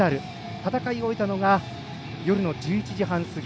戦い終えたのが夜１１時半過ぎ。